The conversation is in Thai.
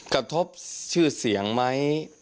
กระทบชื่อเสียงไหม